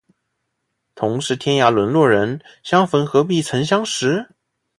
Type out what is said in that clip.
同是天涯沦落人，相逢何必曾相识